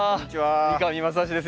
三上真史です